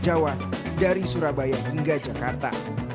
jawa dari surabaya hingga jakarta